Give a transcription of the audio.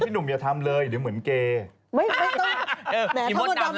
พี่หนุ่มอย่าทำเลยเดี๋ยวเหมือนเกย์